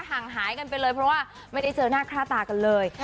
ห่างหายกันไปเลยเพราะว่าไม่ได้เจอหน้าค่าตากันเลย